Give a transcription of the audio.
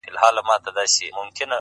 ستا د ږغ څــپــه ! څـپه !څپــه نـه ده!